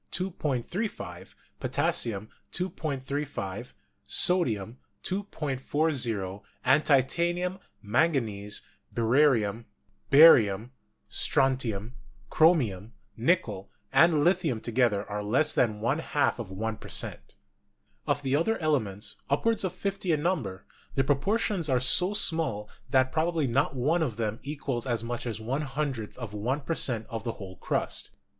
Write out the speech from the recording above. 35 ; potassium, 2.35 ; sodium, 2.40, and titanium, manganese, barium, 88 GEOLOGY strontium, chromium, nickel and lithium together are less than one half of one per cent. Of the other elements,, upward of fifty in number, the proportions are so small that probably not one of them equals as much as one hundredth of one per cent, of the whole crust.